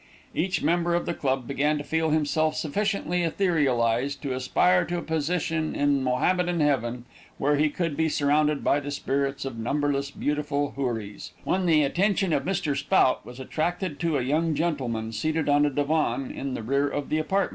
Each member of the club began to feel himself sufficiently etherealized to aspire to a position in a Mahomedan heaven, where he could be surrounded by the spirits of numberless beautiful houris, when the attention of Mr. Spout was attracted to a young gentleman, seated on a divan, in the rear of the apartment.